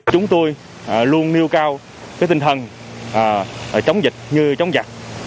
chúng tôi luôn nêu cao tinh thần chống dịch như chống giặc